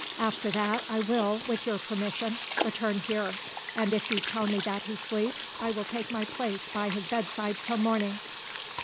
After that I will, with your permission, return here, and if you tell me that he sleeps, will take my place by his bedside till morning."